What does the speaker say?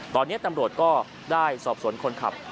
ตอนนี้ตัมโหลดก็ได้สอบสนคนขับ